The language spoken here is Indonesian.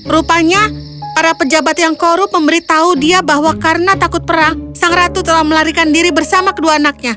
rupanya para pejabat yang korup memberitahu dia bahwa karena takut perang sang ratu telah melarikan diri bersama kedua anaknya